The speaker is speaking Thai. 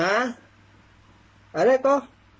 แล้วอะไรล่ะ